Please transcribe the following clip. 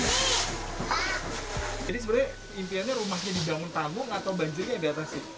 jadi sebenarnya impiannya rumahnya di bangun panggung atau banjirnya di atas